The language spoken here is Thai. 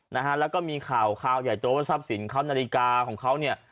นะฮะแล้วก็มีข่าวข่าวใหญ่โตว่าทรัพย์สินเขานาฬิกาของเขาเนี่ย